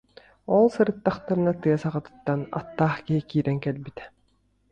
Ол сырыттахтарына тыа саҕатыттан аттаах киһи киирэн кэлбитэ